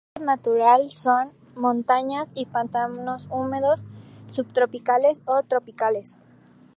Su hábitat natural son: montañas y pantanos húmedos subtropicales o tropicales.